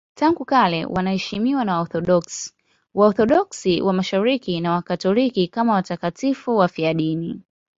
Tangu kale wanaheshimiwa na Waorthodoksi, Waorthodoksi wa Mashariki na Wakatoliki kama watakatifu wafiadini.